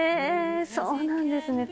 そうなんですね。